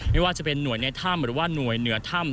ไม่ว่าจะเป็นหน่วยในถ้ำหรือว่าหน่วยเหนือถ้ำ